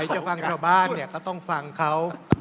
จะฟังชาวบ้านเนี่ยก็ต้องฟังเขา